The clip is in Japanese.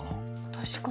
確かに。